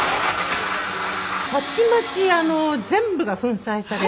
たちまち全部が粉砕されて。